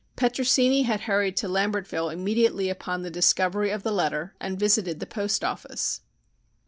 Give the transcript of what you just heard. Petrosini had hurried to Lambertville immediately upon the discovery of the letter and visited the post office.